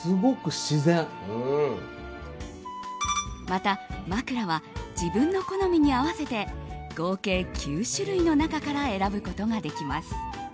また枕は自分の好みに合わせて合計９種類の中から選ぶことができます。